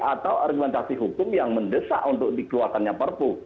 atau argumentasi hukum yang mendesak untuk dikeluarkannya perpu